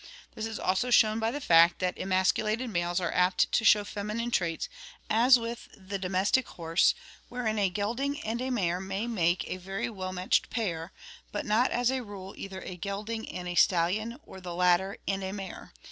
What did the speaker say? This is also shown by the fact that emasculated males are apt to show feminine traits, as with the domestic horse, wherein a gelding and a mare may make a very well matched pair, but not as a rule either a gelding arid a stallion or the latter and a mare.